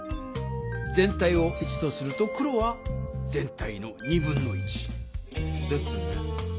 全体を１とすると黒は全体の1/2。ですね。